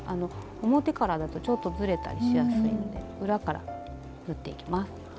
表からだとちょっとずれたりしやすいので裏から縫っていきます。